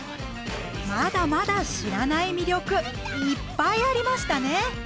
まだまだ知らない魅力いっぱいありましたね！